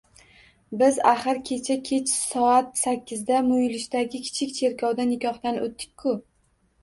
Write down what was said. Biz, axir kecha kech soat sakkizda muyulishdagi Kichik cherkovda nikohdan o`tdik-ku